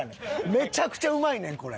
めちゃくちゃうまいねんこれ。